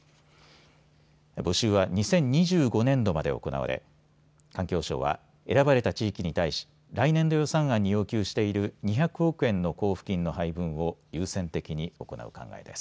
募集は２０２５年度まで行われ環境省は選ばれた地域に対し来年度予算案に要求している２００億円の交付金の配分を優先的に行う考えです。